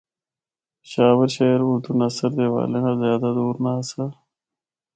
پشاور شہر اُردو نثر نگاری دے حوالے نال زیادہ دور نہ آسا۔